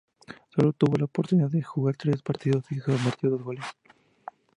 Sólo tuvo la oportunidad de jugar tres partidos y convirtió dos goles.